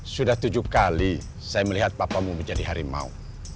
sudah tujuh kali saya melihat papamu menjadi harimau